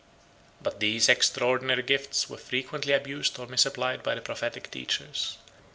But these extraordinary gifts were frequently abused or misapplied by the prophetic teachers.